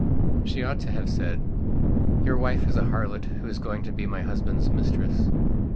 She ought to have said: "Your wife is a harlot who is going to be my husband's mistress..